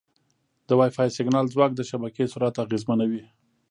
د وائی فای سیګنال ځواک د شبکې سرعت اغېزمنوي.